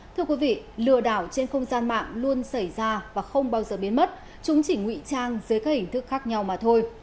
thưa quý vị lừa đảo trên không gian mạng luôn xảy ra và không bao giờ biến mất chúng chỉ ngụy trang dưới các hình thức khác nhau mà thôi